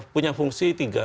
punya fungsi tiga